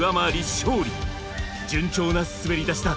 順調な滑り出しだ。